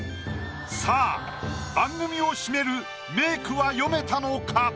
さあ番組を締める名句は詠めたのか？